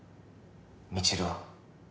未知留は？